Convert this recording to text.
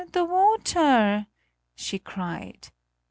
The water!" she cried.